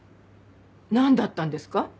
何だったんですか？